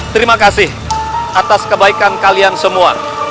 terima kasih atas kebaikan kalian semua